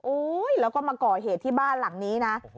โอ้น้ยแล้วก็มาเกาะเหตุที่บ้านหลังนี้นะ